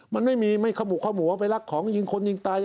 มันไม่มีไม่ขมุกขมัวไปรักของยิงคนยิงตาย